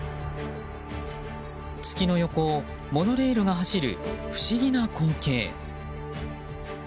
月の横をモノレールが走る不思議な光景。